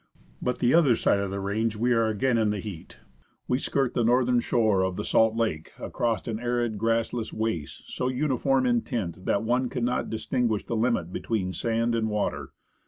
But the other side of the range we are again in the heat. We skirt the northern shore of the Salt Lake, across an arid, grassless waste, so uniform in tint that one cannot distinguish the limit between sand and water.